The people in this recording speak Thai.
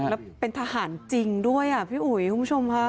แล้วเป็นทหารจริงด้วยอ่ะพี่อุ๋ยคุณผู้ชมค่ะ